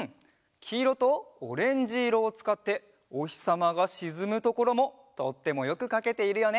きいろとオレンジいろをつかっておひさまがしずむところもとってもよくかけているよね。